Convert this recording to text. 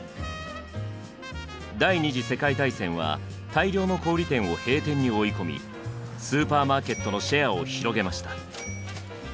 第２次世界大戦は大量の小売店を閉店に追い込みスーパーマーケットのシェアを広げました。